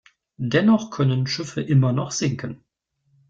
Dennoch können Schiffe immer noch sinken.